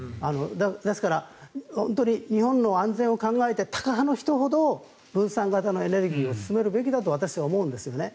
ですから本当に日本の安全を考えてタカ派の人ほど分散型のエネルギーを進めるべきだと私は思うんですね。